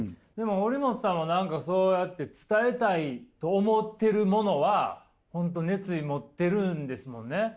でも堀本さんは何かそうやって伝えたいと思ってるものは本当熱意持ってるんですもんね？